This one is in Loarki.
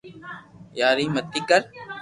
يار ايم متي ڪر